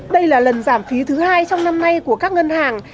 đây là lần giảm phí thứ hai trong năm nay của các ngân hàng